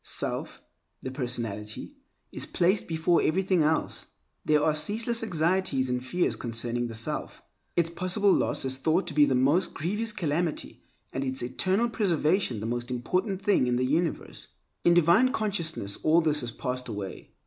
Self, the personality, is placed before everything else. There are ceaseless anxieties and fears concerning the self. Its possible loss is thought to be the most grievous calamity, and its eternal preservation the most important thing in the universe. In divine consciousness all this has passed away.